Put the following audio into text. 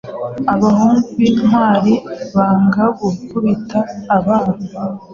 Abahungu bintwari banga-gukubita abana